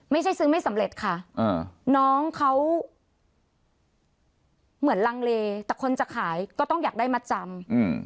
ซื้อไม่สำเร็จค่ะน้องเขาเหมือนลังเลแต่คนจะขายก็ต้องอยากได้มาจำ